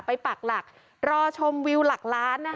ปักหลักรอชมวิวหลักล้าน